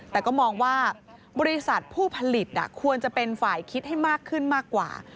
แต่ก็มองว่าบริษัทผู้ผลิตควรจะเป็นฝ่ายคิดให้มากขึ้นมากกว่า